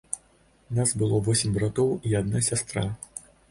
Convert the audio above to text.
Нас было восем братоў і адна сястра.